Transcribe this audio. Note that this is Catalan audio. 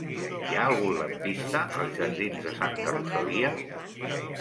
Hi ha algun lampista als jardins de Santa Rosalia?